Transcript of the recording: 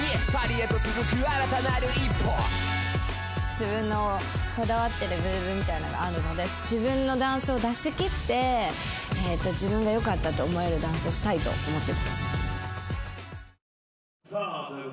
自分のこだわっているムーブみたいなのがあるので自分のダンスを出し切って、自分がよかったって思えるダンスをしたいと思っています。